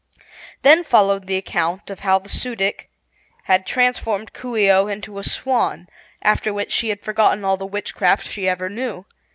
Then followed the account of how the Su dic had transformed Coo ee oh into a swan, after which she had forgotten all the witchcraft she ever knew.